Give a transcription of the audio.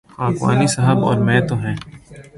خاکوانی صاحب اور میں تو ہیں۔